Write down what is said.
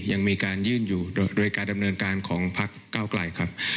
ยังมีการยื่นอยู่โดยการดำเนินการของพักเก้าไกลครับ